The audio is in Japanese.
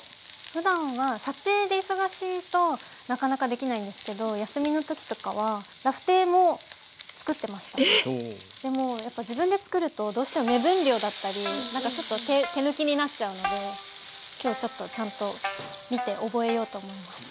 ふだんは撮影で忙しいとなかなかできないんですけど休みの時とかはでもやっぱ自分で作るとどうしても目分量だったりなんかちょっと手抜きになっちゃうので今日ちょっとちゃんと見て覚えようと思います。